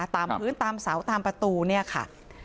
ตามพื้นตามเสาตามประตูเนี่ยค่ะ